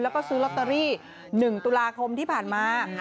แล้วก็ซื้อลอตเตอรี่๑ตุลาคมที่ผ่านมา